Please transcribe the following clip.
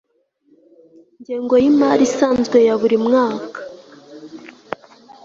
ngengo y imari isanzwe ya buri mwaka